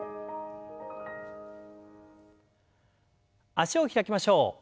脚を開きましょう。